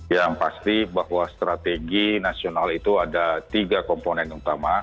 yang pasti bahwa strategi nasional itu ada tiga komponen utama